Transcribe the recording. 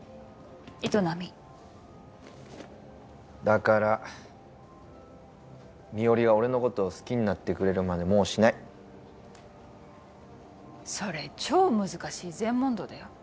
営みだから美織が俺のことを好きになってくれるまでもうシないそれ超難しい禅問答だよ